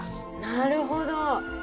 なるほど。